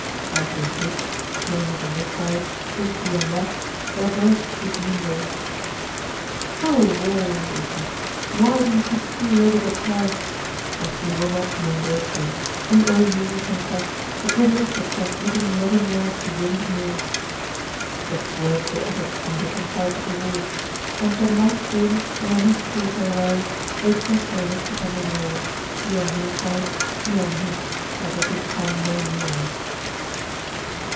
As they stood, Pyramus on this side, Thisbe on that, their breaths would mingle. "Cruel wall," they said, "why do you keep two lovers apart? But we will not be ungrateful. We owe you, we confess, the privilege of transmitting loving words to willing ears." Such words they uttered on different sides of the wall; and when night came and they must say farewell, they pressed their lips upon the wall, she on her side, he on his, as they could come no nearer.